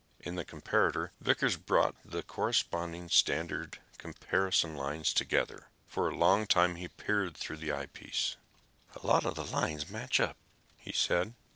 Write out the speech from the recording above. In the comparator Vickers brought the corresponding standard comparison lines together. For a long time he peered through the eyepiece. "A lot of lines match up," he said.